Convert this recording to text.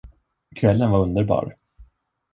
Kvällen var underbar.